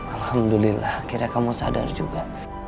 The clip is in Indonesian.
alhamdulillah akhirnya kamu sadar juga